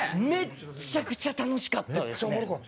めっちゃくちゃ楽しかったですね。